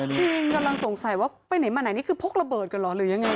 จริงกำลังสงสัยว่าไปไหนมาไหนนี่คือพกระเบิดกันเหรอหรือยังไง